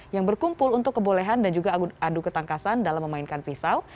yang berkumpul untuk kebolehan dan juga adu ketangkasan dalam memainkan pisau